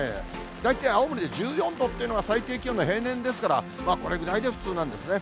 最近、青森で１４度というのは、最低気温の平年ですから、これぐらいで普通なんですね。